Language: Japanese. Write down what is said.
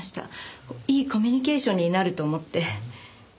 こういいコミュニケーションになると思って。